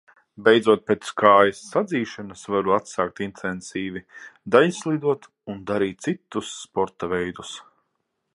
Beidzot, pēc kājas sadzīšanas, varu atsākt intensīvi daiļslidot un darīt citus sporta veidus.